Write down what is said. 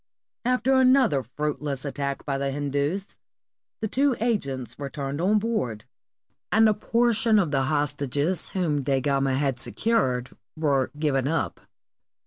After another fruitless attack by the Hindus, the two agents returned on board, and a portion of the hostages whom Da Gama had secured were given up.